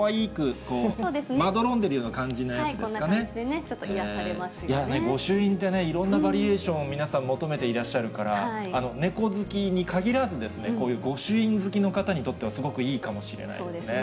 こんな感じでね、ちょっと癒ご朱印ってね、いろんなバリエーション、皆さん求めていらっしゃるから、猫好きに限らず、こういうご朱印好きの方にとってはすごくいいかもしれないですね。